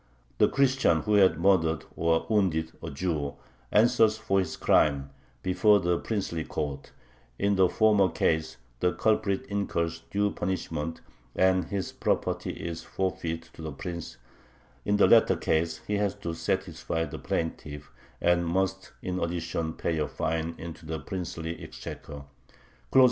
The Christian who has murdered or wounded a Jew answers for his crime before the princely court: in the former case the culprit incurs "due punishment," and his property is forfeit to the prince; in the latter case he has to satisfy the plaintiff, and must in addition pay a fine into the princely exchequer (§§9 10).